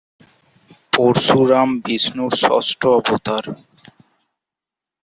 পরশুরাম বিষ্ণুর ষষ্ঠ অবতার।